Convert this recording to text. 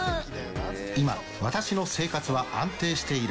今、私の生活は安定している。